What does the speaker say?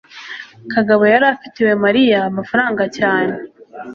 kagabo yari afitiwe mariya amafaranga cyane